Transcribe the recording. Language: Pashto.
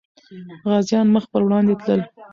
غازيان مخ پر وړاندې تلل.